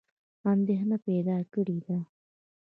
اندېښنه پیدا کړې ده.